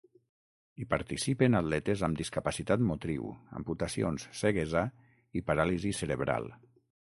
Hi participen atletes amb discapacitat motriu, amputacions, ceguesa i paràlisi cerebral.